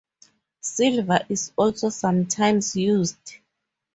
Silver is also sometimes used.